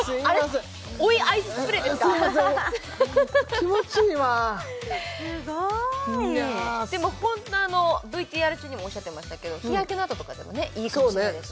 気持ちいいわすごいいやでもホントＶＴＲ中にもおっしゃってましたけど日焼けのあととかでもねいいかもしれないですね